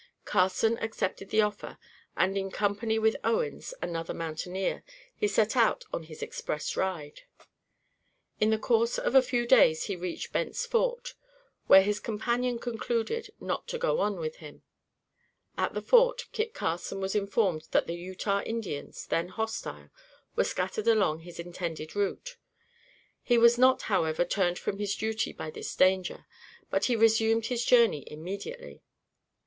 Carson accepted the offer, and in company with Owens, another mountaineer, he set out on his express ride. In the course of a few days he reached Bent's Fort, where his companion concluded not to go on with him. At the Fort, Kit Carson was informed that the Utah Indians, then hostile, were scattered along his intended route. He was not, however, turned from his duty by this danger, but he resumed his journey immediately.